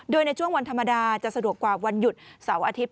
โดยในช่วงวันธรรมดาจะสะดวกกว่าวันหยุดเสาร์อาทิตย